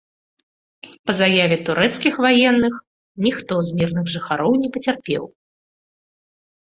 Па заяве турэцкіх ваенных, ніхто з мірных жыхароў не пацярпеў.